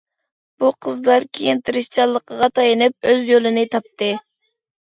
بۇ قىزلار كېيىن تىرىشچانلىقىغا تايىنىپ ئۆز يولىنى تاپتى.